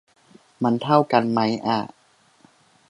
มันเท่ากันมั้ยอะ